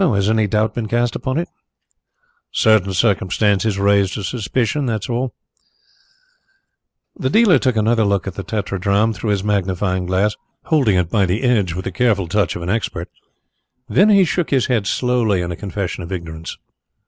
"Has any doubt been cast upon it?" "Certain circumstances raised a suspicion that is all." The dealer took another look at the tetradrachm through his magnifying glass, holding it by the edge with the careful touch of an expert. Then he shook his head slowly in a confession of ignorance.